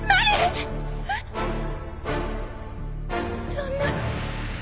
そんな。